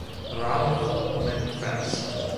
Ralph McPherson